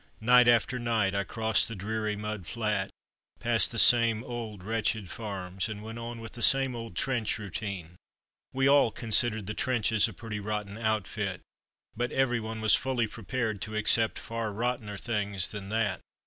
Night after night I crossed the dreary mud flat, passed the same old wretched farms, and went on with the same old trench routine. We all considered the trenches a pretty rotten outfit; but every one was fully prepared to accept far rottener things than that.